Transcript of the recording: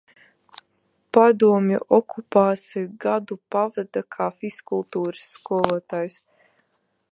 Padomju okupācijas gadu pavada kā fizkultūras skolotājs.